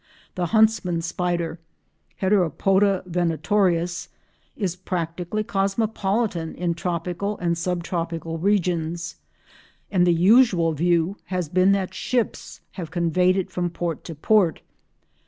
The Huntsman Spider, Heteropoda venatorius, is practically cosmopolitan in tropical and sub tropical regions and the usual view has been that ships have conveyed it from port to port.